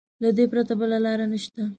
له دې پرته بله لاره نشته.